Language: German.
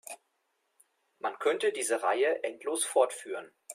Man könnte diese Reihe endlos fortführen.